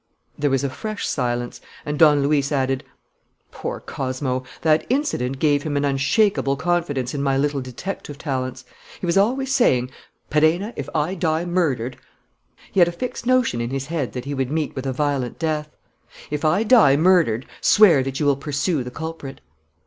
There was a fresh silence; and Don Luis added: "Poor Cosmo! That incident gave him an unshakable confidence in my little detective talents. He was always saying, 'Perenna, if I die murdered' he had a fixed notion in his head that he would meet with a violent death 'if I die murdered, swear that you will pursue the culprit.'"